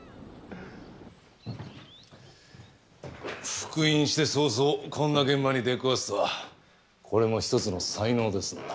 復員して早々こんな現場に出くわすとはこれも一つの才能ですな。